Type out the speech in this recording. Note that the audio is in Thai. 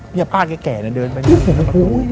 นี่ป้าแก่เนี่ยเดินไปหน้าประตู